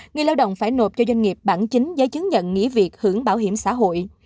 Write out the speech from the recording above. người lao động phải nộp cho doanh nghiệp bản chính giấy chứng nhận nghỉ việc hưởng bảo hiểm xã hội